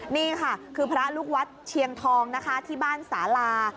นี่ค่ะคือพระลูกวัดเชียงทองนะคะที่บ้านสาลา